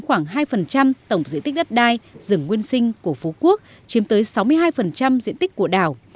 cho đến nay chỉ còn chiếm khoảng hai tổng diện tích đất đai rừng nguyên sinh của phú quốc chiếm tới sáu mươi hai diện tích của đảo